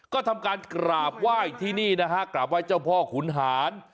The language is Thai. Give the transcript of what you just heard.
ก็ทำการกราบไหว้ที่นี่นะฮะกราบไหว้เจ้าพ่อขุนหาร